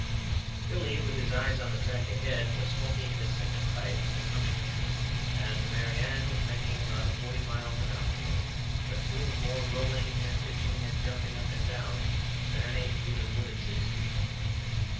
"] Billy, with his eyes on the track ahead, was smoking his second pipe and humming a tune, and the "Mary Ann" was making about forty miles an hour, but doing more rolling and pitching and jumping up and down than an eight wheeler would at sixty.